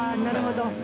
なるほど。